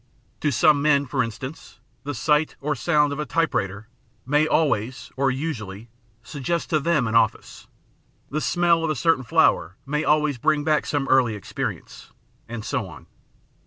To some men, for instance, the sight or soimd of a type writer may always, or usually, suggest to them an office ; the smell of a certain flower may always bring back some early experience, and so on.